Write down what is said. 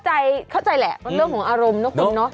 ใช่คือเข้าใจแหละเรื่องของอารมณ์นะคุณเนอะ